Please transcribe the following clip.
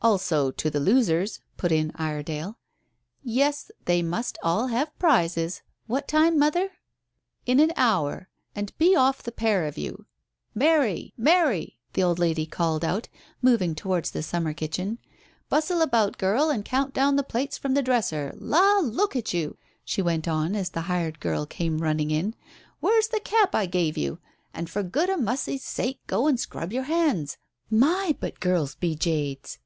"Also to the losers," put in Iredale. "Yes, they must all have prizes. What time, mother?" "In an hour. And be off, the pair of you. Mary! Mary!" the old lady called out, moving towards the summer kitchen. "Bustle about, girl, and count down the plates from the dresser. La, look at you," she went on, as the hired girl came running in; "where's the cap I gave you? And for good a mussey's sake go and scrub your hands. My, but girls be jades."